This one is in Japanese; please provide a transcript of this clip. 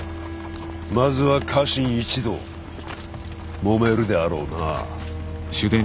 まずは家臣一同もめるであろうな。